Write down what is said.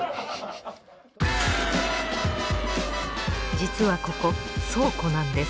実はここ倉庫なんです